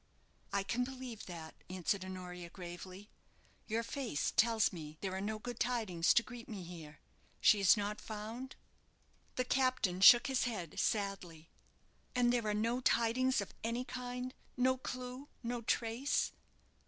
"I can believe that," answered Honoria, gravely. "Your face tells me there are no good tidings to greet me here. She is not found?" The captain shook his head sadly. "And there are no tidings of any kind? no clue, no trace?"